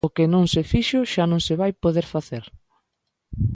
O que non se fixo xa non se vai poder facer.